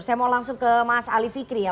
saya mau langsung ke mas ali fikri ya